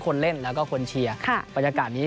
ก็จะเมื่อวันนี้ตอนหลังจดเกม